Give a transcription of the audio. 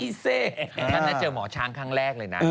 เซฉันน่าเจอหมอช้างครั้งแรกเลยนะ